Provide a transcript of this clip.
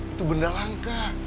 itu benda langka